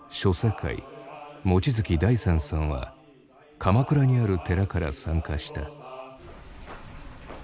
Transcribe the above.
界望月大仙さんは鎌倉にある寺から参加した。